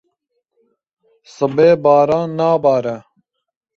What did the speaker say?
Sibê baran nabare.